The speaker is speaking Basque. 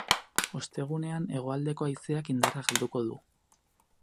Ostegunean hegoaldeko haizeak indarra galduko du.